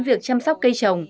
việc chăm sóc cây trồng